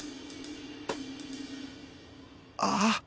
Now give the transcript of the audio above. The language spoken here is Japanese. ああ！